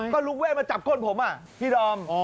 ก็รุงเวศมาจับโค้ดผมอะที่เดอร์อม